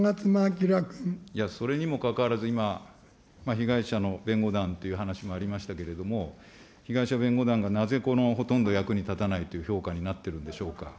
いや、それにもかかわらず、今、被害者の弁護団という話もありましたけれども、被害者弁護団がなぜ、ほとんど役に立たないという評価になっているんでしょうか。